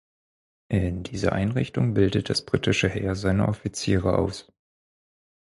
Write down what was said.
In dieser Einrichtung bildet das britische Heer seine Offiziere aus.